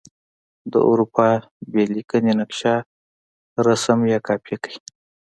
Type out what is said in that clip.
د اروپا بې لیکنې نقشه رسم یا کاپې کړئ.